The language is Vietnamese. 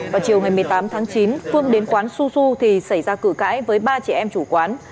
vào chiều ngày một mươi tám tháng chín phương đến quán su su thì xảy ra cử cãi với ba chị em chủ quán